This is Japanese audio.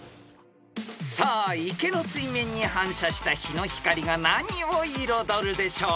［さあ池の水面に反射した日の光が何を彩るでしょう？］